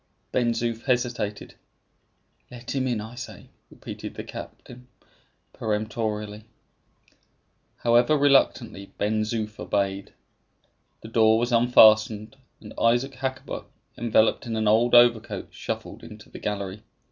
Ben Zoof hesitated. "Let him in, I say," repeated the captain, peremptorily. However reluctantly, Ben Zoof obeyed. The door was unfastened, and Isaac Hakkabut, enveloped in an old overcoat, shuffled into the gallery.